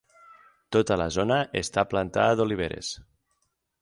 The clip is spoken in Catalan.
Tota la zona està plantada d'oliveres.